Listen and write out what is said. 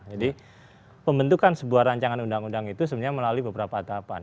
jadi pembentukan sebuah rancangan undang undang itu sebenarnya melalui beberapa tahapan